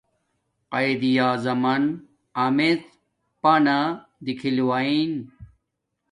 قایداعظمن امیڎ پانہ دیکھیل وین